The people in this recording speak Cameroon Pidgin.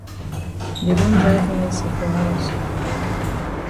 Dey don drive Mercy for haus.